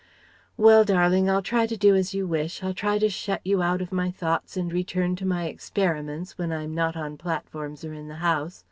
"Well, darling, I'll try to do as you wish. I'll try to shut you out of my thoughts and return to my experiments, when I'm not on platforms or in the House.